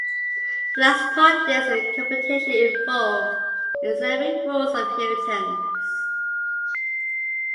The last part deals with computations involved in Islamic rules of inheritance.